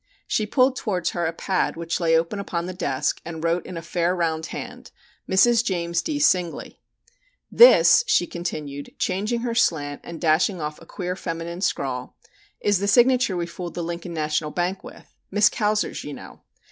She pulled towards her a pad which lay open upon the desk and wrote in a fair, round hand: "Mrs. James D. Singley." (Fig. 4.) "This," she continued, changing her slant and dashing off a queer feminine scrawl, "is the signature we fooled the Lincoln National Bank with Miss Kauser's, you know.